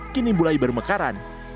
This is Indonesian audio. kini mulai bermekaran